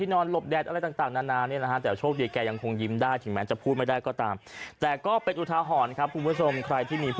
นอนตัวงอแต่เรี่ยวแรงไม่มีละแต่อาการยังยิ้มได้